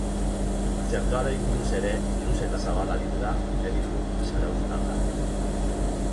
Txertoari buruz ere luze eta zabal aritu da mediku zarauztarra.